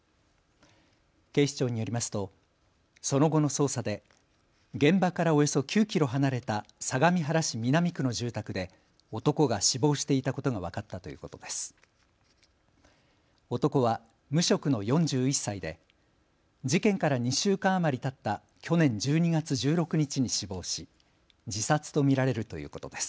警視庁によりますとその後の捜査で現場からおよそ９キロ離れた相模原市南区の住宅で男が死亡していたことが分かったということです。